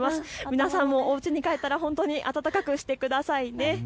皆さんも、おうちに帰ったら暖かくしてくださいね。